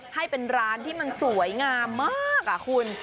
ให้เป็นร้านที่มันสวยงามมากคุณ